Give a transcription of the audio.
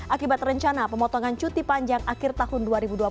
akibat rencana pemotongan cuti panjang akhir tahun dua ribu dua puluh